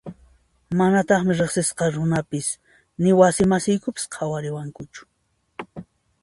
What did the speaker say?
Manataqmi riqsisqay runapis ni wasi masiykunapas qhawariwankuchu.